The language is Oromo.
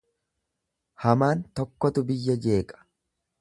Hamaan tokkotu biyya jeeqa.